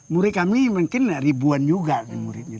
murid kami mungkin ribuan juga muridnya